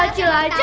dokter galak ke